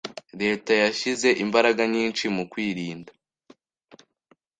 Leta yashyize imbaraga nyinshi mukwirinda